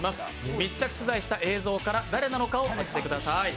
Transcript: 密着取材した映像から誰なのかを当ててください。